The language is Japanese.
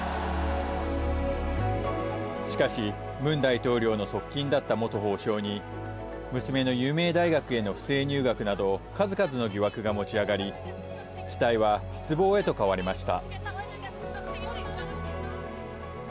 しかしムン大統領の側近だった元法相に娘の有名大学への不正入学など数々の疑惑が持ち上がり期待は失望へと変わりました。